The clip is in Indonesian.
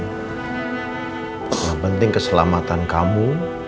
yang penting keselamatan kamu